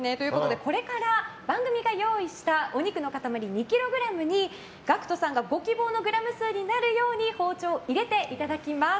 これから番組が用意したお肉の塊２ｋｇにＧＡＣＫＴさんがご希望のグラム数になるように包丁を入れていただきます。